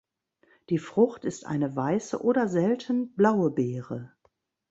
Die Frucht ist eine weiße oder selten blaue Beere.